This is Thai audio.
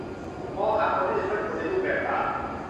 มองหาคนที่จะช่วยคุณในรูปแบบต่าง